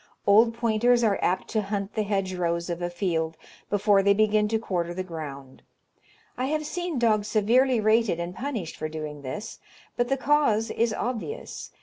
Old pointers are apt to hunt the hedgerows of a field before they begin to quarter the ground. I have seen dogs severely rated and punished for doing this, but the cause is obvious.